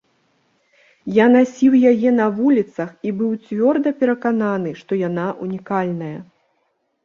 Я насіў яе на вуліцах і быў цвёрда перакананы, што яна ўнікальная.